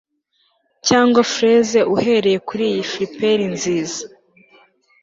Cyangwa freze uhereye kuriyi frippery nziza